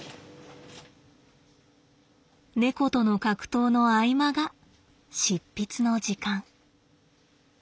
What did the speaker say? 猫との格闘の合間が執筆の時間。